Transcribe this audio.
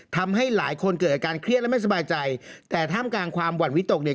ทำให้หลายคนเกิดอาการเครียดและไม่สบายใจแต่ท่ามกลางความหวั่นวิตกเนี่ย